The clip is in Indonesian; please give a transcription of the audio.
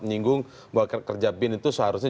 menyinggung bahwa kerja bin itu seharusnya